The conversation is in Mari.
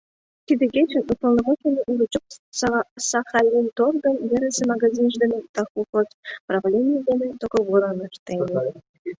Тиде кечын «уполномоченный» Уручев Сахалинторгын верысе магазинже дене да колхоз правлений дене договорым ыштен.